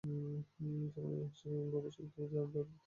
জাপানের গবেষকেরা দাবি করেছেন, তাঁরা সুখের রহস্য ভেদ করতে সক্ষম হয়েছেন।